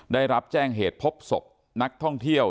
ได้รับแจ้งเหตุพบศพนักท่องเที่ยว